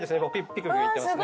ピクピクいってますね。